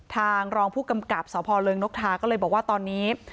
รองผู้กำกับสพเริงนกทาก็เลยบอกว่าตอนนี้